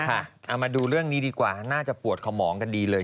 เอามาดูเรื่องนี้ดีกว่าน่าจะปวดขมองกันดีเลย